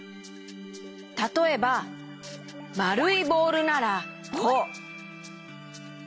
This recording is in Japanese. たとえばまるいボールならこう。